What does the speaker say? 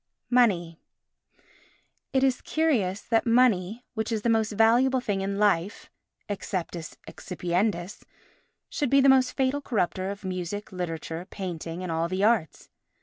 Money It is curious that money, which is the most valuable thing in life, exceptis excipiendis, should be the most fatal corrupter of music, literature, painting and all the arts.